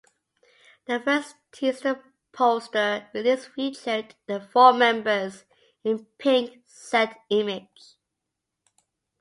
The first teaser poster released featured the four members in pink set image.